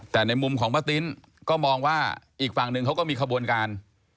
แต่ในมุมของป้าติ้นก็มองว่าอีกฝั่งหนึ่งเขาก็มีขบวนการ